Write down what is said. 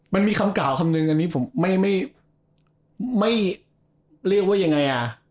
มันมีคำกล่าวคำนึงอันนี้ผมไม่เรียกว่ายังไงอ่ะ